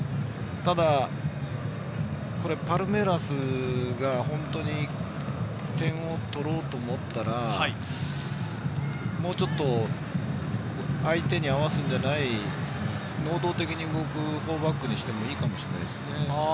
ただ、パルメイラスが本当に点を取ろうと思ったら、もうちょっと相手に合わすんじゃない、能動的に動く４バックにしてもいいかもしれないですね。